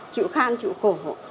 chịu khan chịu khổ hộ